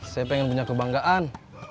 saya pengen punya kebanggaan